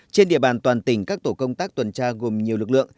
trên địa bàn toàn tỉnh các tổ công tác tuần tra gồm nhiều lực lượng